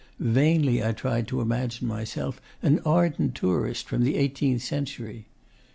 Vainly I tried to imagine myself an ardent tourist from the eighteenth century.